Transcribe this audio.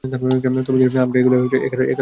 তবে জানি আপনারা এগুলো একটা কারণেই করেছেন।